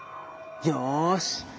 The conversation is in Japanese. よし！